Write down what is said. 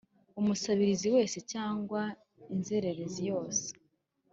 Umusabirizi wese cyangwa inzererezi yose.